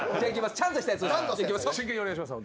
ちゃんとしたやついきますよ。